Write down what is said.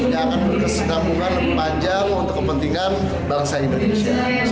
yang akan berkesenggabungan lebih panjang untuk kepentingan bangsa indonesia